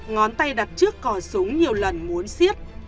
ngón tay đặt trước cò súng nhiều lần muốn xiết